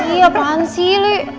iya apaan sih lui